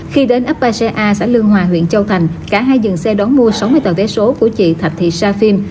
khi đến ấp ba xe a xã lương hòa huyện châu thành cả hai dừng xe đóng mua sáu mươi tàu vé số của chị thạch thị sa phim